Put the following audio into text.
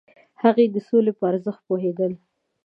هغوی د سولې په ارزښت پوهیدل.